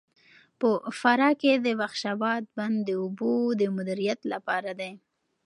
په فراه کې د بخش اباد بند د اوبو د مدیریت لپاره دی.